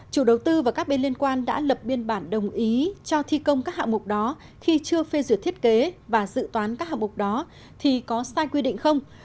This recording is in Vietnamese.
chủ đầu tư và các bên liên quan đã lập biên bản đồng ý cho thi công các hạng mục đó khi chưa phê duyệt thiết kế và dự toán các hạng mục đó thì có sai quy định không